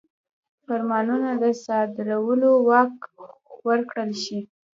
فرمانونو د صادرولو واک ورکړل شي.